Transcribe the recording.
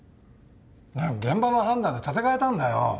何現場の判断で立て替えたんだよ。